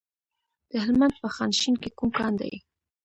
د هلمند په خانشین کې کوم کان دی؟